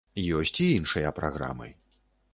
Ёсць і іншыя праграмы.